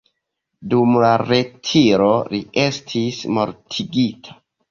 Dum la retiro, li estis mortigita.